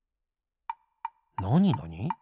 なになに？